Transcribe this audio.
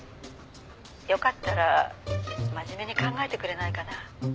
「よかったら真面目に考えてくれないかな？」